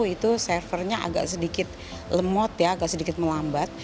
itu servernya agak sedikit lemot ya agak sedikit melambat